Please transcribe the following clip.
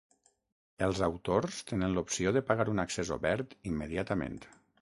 Els autors tenen l'opció de pagar un accés obert immediatament.